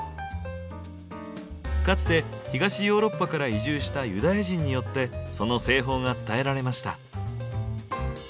かつて東ヨーロッパから移住したユダヤ人によってその製法が伝えられました。